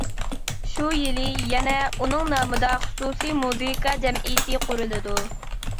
شۇ يىلى يەنە ئۇنىڭ نامىدا خۇسۇسىي مۇزىكا جەمئىيىتى قۇرۇلىدۇ.